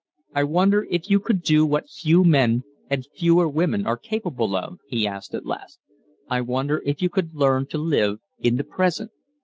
"I wonder if you could do what few men and fewer women are capable of?" he asked, at last. "I wonder if you could learn to live in the present?"